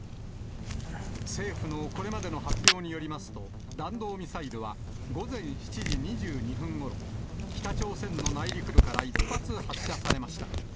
政府のこれまでの発表によりますと、弾道ミサイルは午前７時２２分ごろ、北朝鮮の内陸部から１発発射されました。